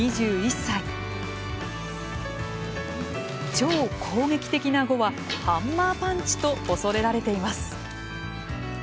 超攻撃的な碁はハンマーパンチと恐れられています。